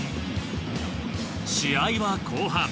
試合は後半。